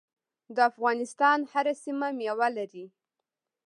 د افغانستان هره سیمه میوه لري.